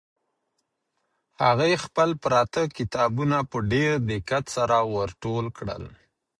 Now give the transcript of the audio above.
هغې خپل پراته کتابونه په ډېر دقت سره ور ټول کړل.